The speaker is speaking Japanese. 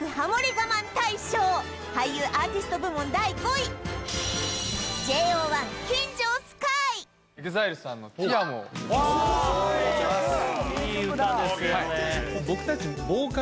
我慢大賞俳優アーティスト部門第５位ＥＸＩＬＥさんの「ＴｉＡｍｏ」をいい歌ですよね